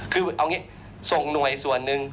คือเอางี้ส่งหน่วยส่วนหนึ่ง